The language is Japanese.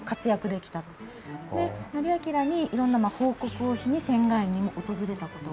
で斉彬に色んな報告をしに仙巌園にも訪れた事が。